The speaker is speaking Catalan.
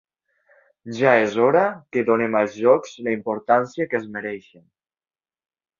Ja és hora que donem als jocs la importància que es mereixen.